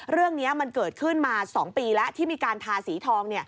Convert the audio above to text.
เรื่องนี้มันเกิดขึ้นมา๒ปีแล้วที่มีการทาสีทอง